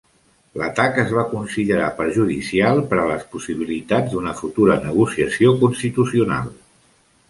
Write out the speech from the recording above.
L'atac es va considerar perjudicial per a les possibilitats d'una futura negociació constitucional.